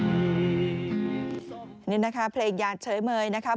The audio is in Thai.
นี่นะคะเพลงยานเฉยเมยนะครับ